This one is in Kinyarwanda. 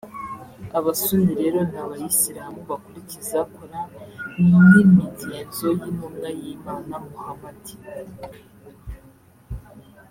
Abasuni rero ni abayisilamu bakurikiza coran n’imigenzo y’intumwa y’Imana Muhamadi